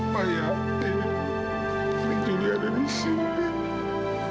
pak yaudi ini julia dari sini